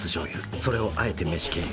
それをあえて飯経由。